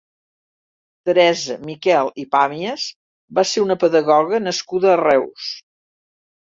Teresa Miquel i Pàmies va ser una pedagoga nascuda a Reus.